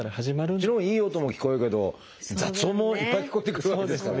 もちろんいい音も聞こえるけど雑音もいっぱい聞こえてくるわけですからね。